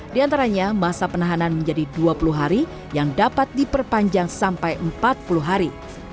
di antaranya masa penahanan menjadi dua puluh hari yang dapat diperpanjang sampai empat puluh hari